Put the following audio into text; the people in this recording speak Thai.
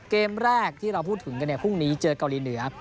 เกมแรกที่เราพูดถึงกันเนี่ยพรุ่งนี้เจอเกาหลีเหนือ